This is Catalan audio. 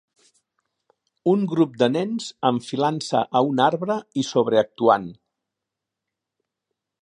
Un grup de nens enfilant-se a un arbre i sobreactuant.